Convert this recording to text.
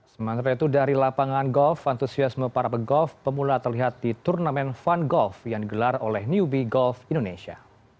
sementara itu dari lapangan golf antusiasme para pegolf pemula terlihat di turnamen fun golf yang digelar oleh newbie golf indonesia